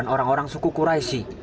dan orang orang suku quraishi